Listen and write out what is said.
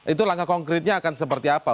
itu langkah konkretnya akan seperti apa